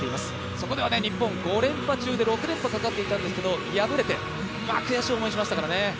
そこでは日本、５連覇中で６連覇がかかっていたんですけど破れて悔しい思いをしましたからね。